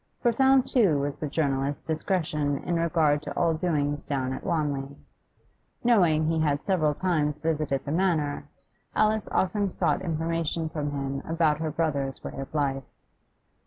Profound, too, was the journalist's discretion in regard to all doings down at Wanley. Knowing he had several times visited the Manor, Alice often sought information from him about her brother's way of life.